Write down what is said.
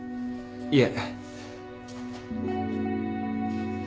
いえ。